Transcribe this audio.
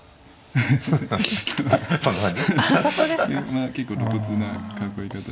まあ結構露骨な囲い方。